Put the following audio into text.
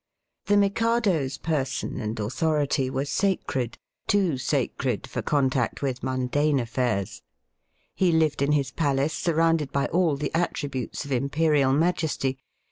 The Mikado's person and autho rity were sacred — too sacred for contact with mundane affairs. He lived in his palace surrounded by all the attributes of imperial majesty.